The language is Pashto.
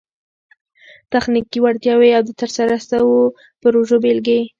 تخنیکي وړتیاوي او د ترسره سوو پروژو بيلګي